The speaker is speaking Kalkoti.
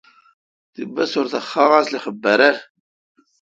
تی بسور تہ خاصلخہ برر